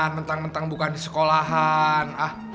mentang mentang bukan di sekolahan